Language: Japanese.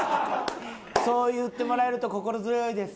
「そう言ってもらえると心強いです」。